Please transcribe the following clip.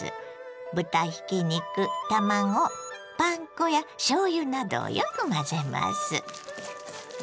豚ひき肉卵パン粉やしょうゆなどをよく混ぜます。